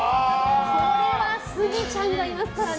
これは、スギちゃんがいますからね。